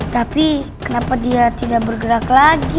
tapi kenapa dia tidak bergerak lagi